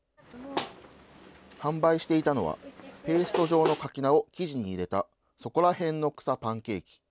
販売していたのは、ペースト状のかき菜を生地に入れた、そこらへんの草パンケーキ。